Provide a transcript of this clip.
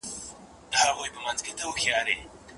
له بده مرغه ځیني لارښودان خپل مسؤلیت نه پېژني.